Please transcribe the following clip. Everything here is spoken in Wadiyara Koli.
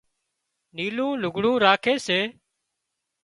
نيلُون لگھڙون راکي سي